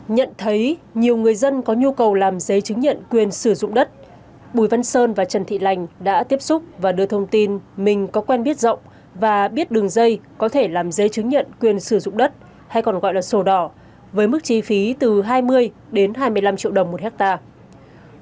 nhận thấy nhiều người dân có nhu cầu làm giấy chứng nhận quyền sử dụng đất bùi văn sơn và trần thị lành đã tiếp xúc và đưa thông tin mình có quen biết rộng và biết đường dây có thể làm giấy chứng nhận quyền sử dụng đất hay còn gọi là sổ đỏ với mức chi phí từ hai mươi đến hai mươi năm triệu đồng một hectare